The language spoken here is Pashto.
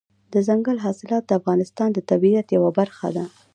دځنګل حاصلات د افغانستان د طبیعت یوه برخه ده.